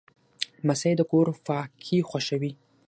لمسی د کور پاکي خوښوي.